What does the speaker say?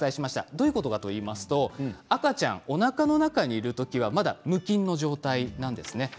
どういうことかというと赤ちゃん、おなかの中にいる時は無菌の状態なんですね。